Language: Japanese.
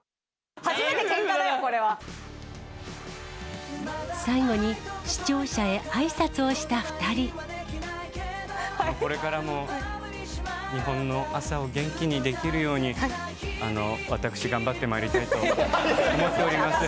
初めてけんかだよ、これは！最後に視聴者へあいさつをしこれからも日本の朝を元気にできるように、私頑張ってまいりたいと思っております。